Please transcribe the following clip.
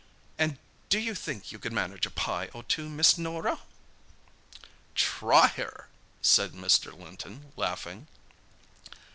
An' do you think you could manage a pie or two, Miss Norah?" "Try her!" said Mr. Linton, laughing.